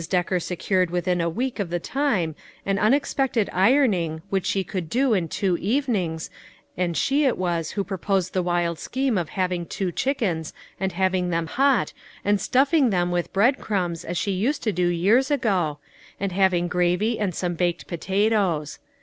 Decker secured with in a week of the time, an unexpected ironing which she could do in two evenings, and she it was who proposed the wild scheme of having two chickens and having them hot, and stuffing them with bread crumbs as she used to do years ago, and having gravy and some baked potatoes.